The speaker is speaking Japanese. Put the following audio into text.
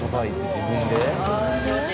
自分で？